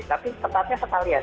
tapi tetapnya sekalian